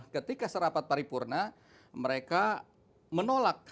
ketika serapat paripurna mereka menolak